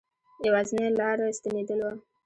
یوازنی لاره ستنېدل وه.